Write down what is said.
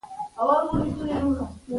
زه نن ډېر خوښ یم.